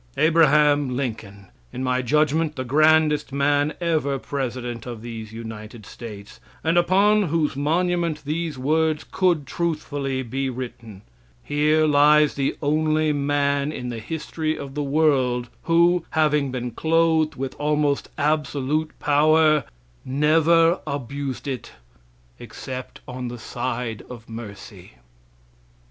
Abraham Lincoln in my judgment, the grandest man ever president of the United States, and upon whose monument these words could truthfully be written: "Here lies the only man in the history of the world who, having been clothed with almost absolute power, never abused it except on the side of mercy."